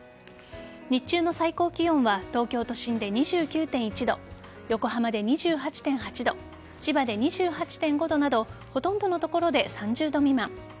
日中の最高気温は東京都心で２９．１度横浜で２８．８度千葉で２８．５度などほとんどの所で３０度未満。